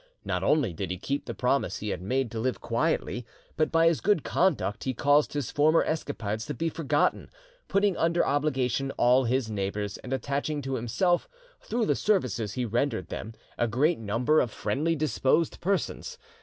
Not only did he keep the promise he had made to live quietly, but by his good conduct he caused his, former escapades to be forgotten, putting under obligation all his neighbours, and attaching to himself, through the services he rendered them, a great number of friendly disposed persons.